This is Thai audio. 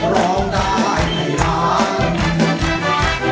ร้องได้ครับ